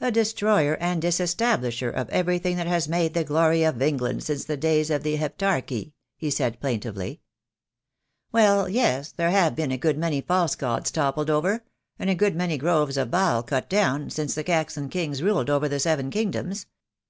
"A destroyer and disestablisher of everything that THE DAY WILL COME. 12 1 has made the glory of England since the days of the Heptarchy," he said, plaintively. "Well, yes, there have been a good many false gods toppled over, and a good many groves of Baal cut down, since the Saxon Kings ruled over the Seven Kingdoms.